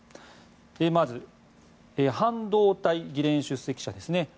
まず、半導体議連出席者です。